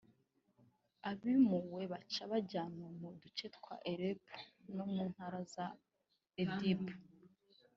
abimuwe baca bajanwa mu duce twa Aleppo no mu ntara za Idlib